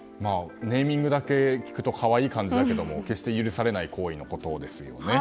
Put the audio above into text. ネーミング、可愛い感じだけど決して許されないことですよね。